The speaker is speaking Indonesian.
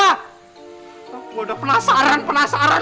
aku udah penasaran penasaran